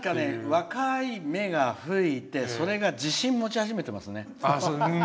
若い芽が吹いてそれが自信を持ち始めてますね。